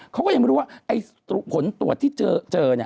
เขาก็ยังไม่รู้ว่าผลตรวจที่เจอ